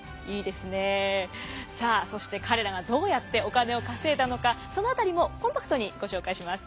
さあそして彼らがどうやってお金を稼いだのかその辺りもコンパクトにご紹介します。